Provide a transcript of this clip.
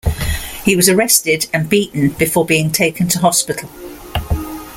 He was arrested and beaten before being taken to hospital.